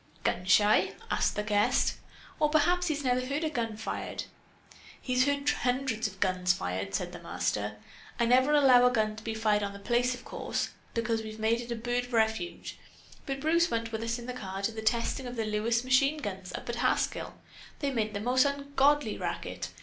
"Gun shy?" asked the guest. "Or perhaps he's never heard a gun fired?" "He's heard hundreds of guns fired," said the Master. "I never allow a gun to be fired on The Place, of course, because we've made it a bird refuge. But Bruce went with us in the car to the testing of the Lewis machineguns, up at Haskell. They made a most ungodly racket.